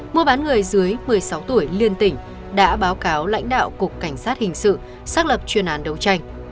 mua bán người dưới một mươi sáu tuổi liên tỉnh đã báo cáo lãnh đạo cục cảnh sát hình sự xác lập chuyên án đấu tranh